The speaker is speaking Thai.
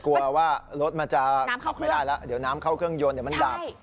กลัวว่ารถมันจะขับไม่ได้แล้วเดี๋ยวน้ำเข้าเครื่องยนต์เดี๋ยวมันดับ